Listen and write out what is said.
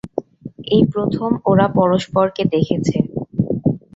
এই প্রথম ওরা পরস্পরকে দেখেছে।